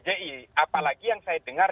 ji apalagi yang saya dengar